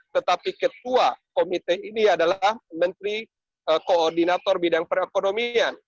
tetapi ketua komite ini adalah menteri koordinator bidang perekonomian